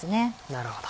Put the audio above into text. なるほど。